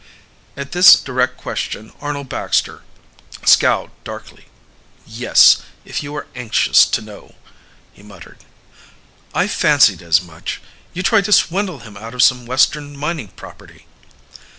At this direct question Arnold Baxter scowled darkly. "Yes, if you are anxious to know," he muttered. "I fancied as much. You tried to swindle him out of some Western mining property."